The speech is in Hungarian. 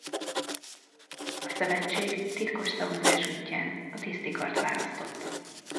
A szövetség titkos szavazás útján a tisztikart választott.